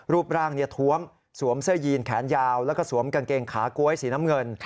รูปร่างทวมสวมเสื้อยีนแขนยาวแล้วก็สวมกางเกงขาก๊วยสีน้ำเงิน